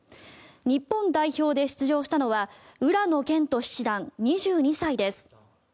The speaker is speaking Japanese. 日本代表で出場したのは浦野健人七段、２２歳です。